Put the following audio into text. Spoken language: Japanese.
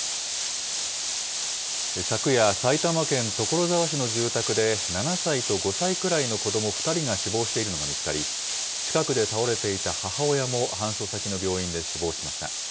昨夜、埼玉県所沢市の住宅で、７歳と５歳くらいの子ども２人が死亡しているのが見つかり、近くで倒れていた母親も、搬送先の病院で死亡しました。